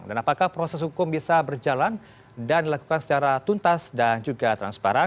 dan apakah proses hukum bisa berjalan dan dilakukan secara tuntas dan juga transparan